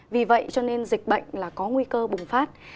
vì vậy cho nên dịch bệnh là có nguy cơ bùng phát